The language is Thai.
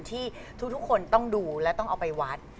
ที่ทุกคนต้องดูและต้องเอาไปวัด